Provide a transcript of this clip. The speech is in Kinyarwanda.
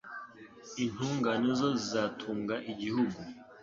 Intungane zo zizatunga igihugu